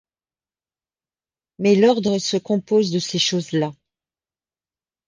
mais l’ordre se compose de ces choses-là.